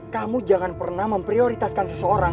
kamu jangan pernah memprioritaskan seseorang